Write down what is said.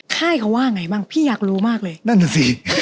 ค่ายเขาว่าไงบ้างพี่อยากรู้มากเลยนั่นน่ะสิ